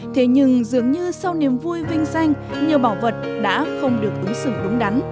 thế nhưng dường như sau niềm vui vinh danh nhiều bảo vật đã không được ứng xử đúng đắn